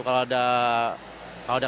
kalau ada kemampuan